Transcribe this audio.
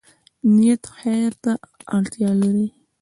نیت خیر ته اړتیا لري